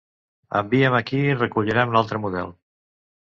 Enviem aquí i recollirem l'altre model.